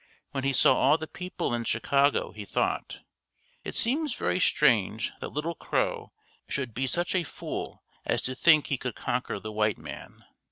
When he saw all the people in Chicago he thought, "It seems very strange that Little Crow should be such a fool as to think he could conquer the white man.